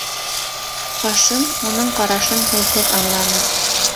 Хашим уның ҡарашын һүҙһеҙ анланы: